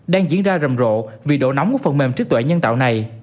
đang diễn ra rầm rộ vì độ nóng của phần mềm trí tuệ nhân tạo này